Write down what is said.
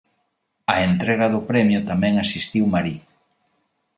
Á entrega do premio tamén asistiu Marie.